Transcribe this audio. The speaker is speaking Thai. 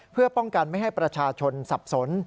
เพื่อป้องกันไม่ให้ประชาชนสับสน